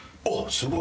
すごい。